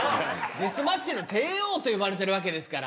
デスマッチの帝王と呼ばれてるわけですから。